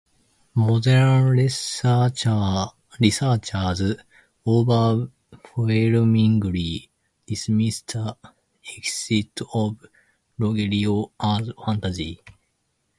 Modern researchers overwhelmingly dismiss the existence of Rogerio as fantasy.